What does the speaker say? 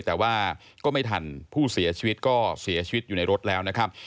แต่ว่าก็ไม่ทันผู้เสียชีวิตก็เสียชีวิตอยู่ในรถแล้วนะครับ